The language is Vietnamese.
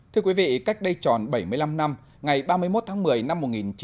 thưa quý vị cách đây tròn bảy mươi năm năm ngày ba mươi một tháng một mươi năm một nghìn chín trăm bốn mươi